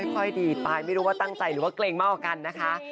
ค่อยดีไปไม่รู้ว่าตั้งใจหรือว่าเกรงมากกว่ากันนะคะ